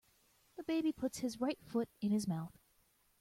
The baby puts his right foot in his mouth.